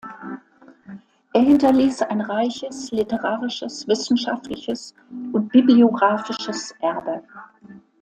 Er hinterließ ein reiches literarisches, wissenschaftliches und bibliographisches Erbe.